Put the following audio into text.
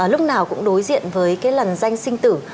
lúc nào cũng đối diện với cái lần danh sinh tử